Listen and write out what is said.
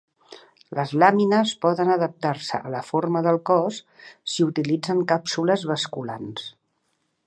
Les làmines poden adaptar-se a la forma del cos si utilitzen càpsules basculants.